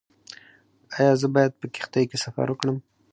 ایا زه باید په کښتۍ کې سفر وکړم؟